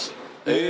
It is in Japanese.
え！